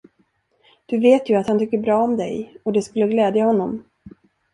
Du vet ju, att han tycker bra om dig, och det skulle glädja honom.